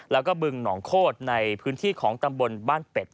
แล้วก็บึงหนองโคตรในพื้นที่ของตำบลบ้านเป็ด